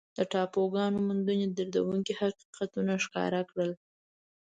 د ټاپوګانو موندنې دردونکي حقیقتونه ښکاره کړل.